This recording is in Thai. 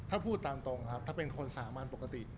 ถ้าพูดตามตรงครับถ้าเป็นคนสามัญปกติ